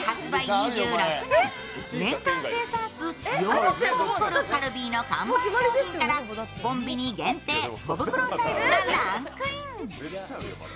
２６年、年間生産数４億個を誇るカルビーの看板商品からコンビニ限定小袋サイズがランクイン。